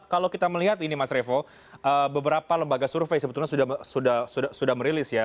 kalau kita melihat ini mas revo beberapa lembaga survei sebetulnya sudah merilis ya